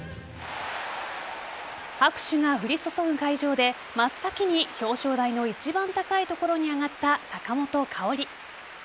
拍手が降り注ぐ会場で真っ先に表彰台の一番高い所に上がった坂本花織。